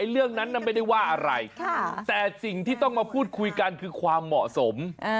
เรื่องนั้นไม่ได้ว่าอะไรแต่สิ่งที่ต้องมาพูดคุยกันคือความเหมาะสม